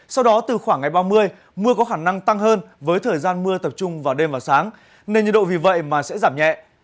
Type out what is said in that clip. sau đó từ khoảng ngày ba mươi mưa có khả năng tăng hơn với thời gian mưa tập trung vào đêm và sáng nên nhiệt độ vì vậy mà sẽ giảm nhẹ